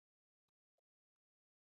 غول د درد چیغه ده.